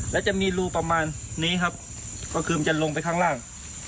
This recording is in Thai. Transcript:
แล้วจะมีรูประมาณนี้ครับก็คือมันจะลงไปข้างล่าง